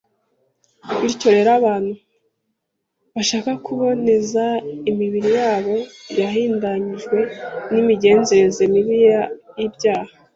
Bityo rero, abantu babasha kuboneza imibiri yabo yahindanyijwe n’imigenzereze mibi y’ibyaha